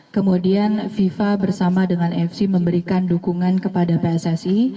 kemudian fifa bersama dengan fc memberikan dukungan kepada pssi